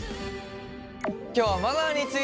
今日は「マナーについて知りたい」